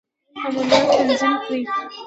عملیات تنظیم کړي.